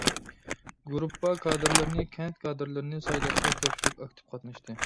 گۇرۇپپا كادىرلىرىنى، كەنت كادىرلىرىنى سايلاشقا كۆپچىلىك ئاكتىپ قاتناشتى.